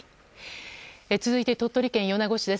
続いて、鳥取県米子市です。